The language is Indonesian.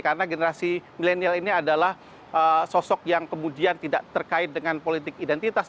karena generasi milenial ini adalah sosok yang kemudian tidak terkait dengan politik identitas